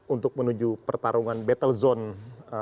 untuk menuju pertarungan battle zone